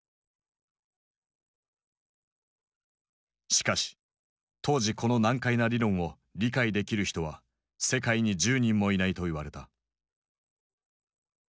しかし当時この難解な理論を理解できる人は世界に１０人もいないと言われた。